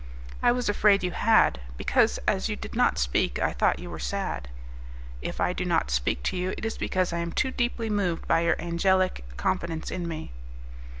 "I was afraid you had, because as you did not speak I thought you were sad." "If I do not speak to you it is because I am too deeply moved by your angelic confidence in me."